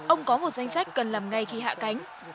ông có một danh sách cần làm ngay khi hạ cánh